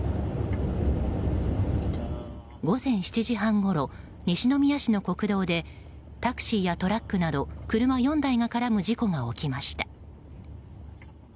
午前７時半ごろ、西宮市の国道でタクシーやトラックなど車４台が絡む事故が起きました。